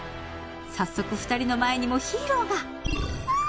早速２人の前にもヒーローがキャー！